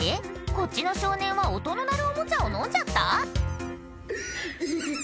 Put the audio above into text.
こっちの少年は音の鳴るおもちゃをのんじゃった？